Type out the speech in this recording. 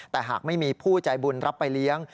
แต่หากไม่มีผู้ใจบุญรับไปเลี้ยง